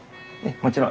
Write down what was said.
もちろん。